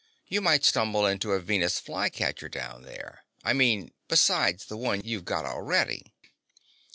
"You might stumble into a Venus Flycatcher down there. I mean besides the one you've got already."